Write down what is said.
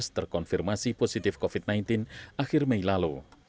terkonfirmasi positif covid sembilan belas akhir mei lalu